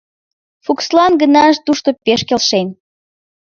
Фукслан гына тушто пеш келшен.